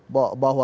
bahwa tidak ada